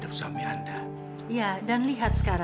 kenapa kasih ya mudah keluar